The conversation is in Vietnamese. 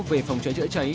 về phòng cháy chữa cháy